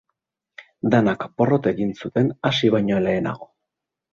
Danak porrot egin zuten hasi baino lehenago.